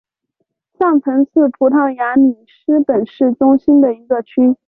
上城是葡萄牙里斯本市中心的一个区。